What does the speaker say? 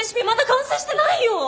まだ完成してないよ。